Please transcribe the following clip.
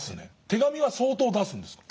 手紙は相当出すんですか？